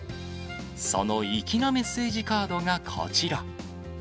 その粋なメッセージカードがこちら。